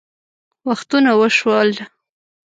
وختونه وشوه